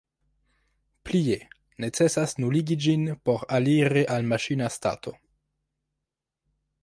Plie, necesas nuligi ĝin por aliri al maŝina stato.